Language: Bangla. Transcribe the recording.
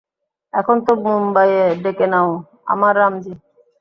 এখন তো মুম্বাইয়ে ডেকে নাও, আমার রামজী!